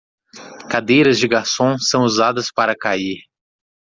Cadeiras de garçom são usadas para cair